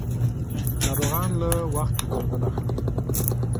ناروغان له وخته درمل اخلي.